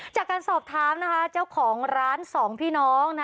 จากการสอบถามนะคะเจ้าของร้านสองพี่น้อง